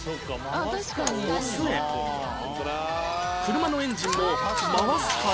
車のエンジンも回すから